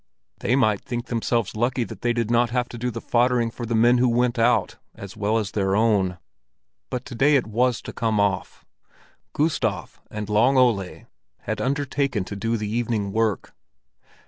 They might think themselves lucky they did not have to do the foddering for the men who went out as well as their own. But to day it was to come off; Gustav and Long Ole had undertaken to do the evening work.